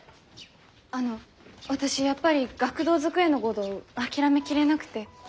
あの私やっぱり学童机のごど諦めきれなくて。